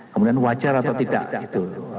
kemudian wajar atau tidak gitu